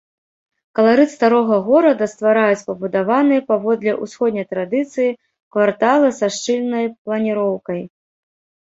Каларыт старога горада ствараюць пабудаваныя паводле ўсходняй традыцыі кварталы са шчыльнай планіроўкай.